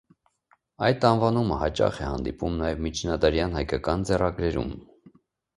Այդ անվանումը հաճախ է հանդիպում նաև միջնադարյան հայկական ձեռագրերում։